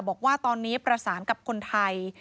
บอกว่าตอนนี้ประสานกับคนไทย